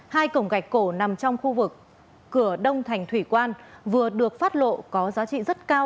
hai cổng gạch cổ nằm trong khu vực cửa đông thành thủy quan vừa được phát lộ có giá trị rất cao